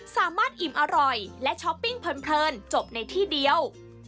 สามารถอิ่มอร่อยและช้อปปิ้งเพลินจบในที่เดียว